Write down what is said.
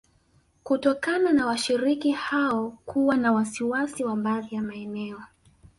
Kutokana na washiriki hao kuwa na wasiwasi wa baadhi ya maeneo